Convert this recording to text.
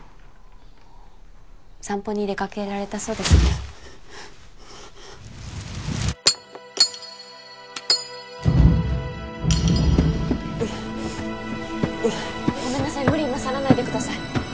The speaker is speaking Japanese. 散歩に出かけられたそうですねうっうっごめんなさい無理なさらないでください